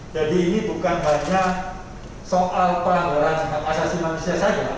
jadi ini bukan hanya soal peranggaran asasi manusia saja